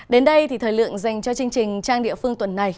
đến đây thì thời lượng dành cho chương trình trang địa phương tuần này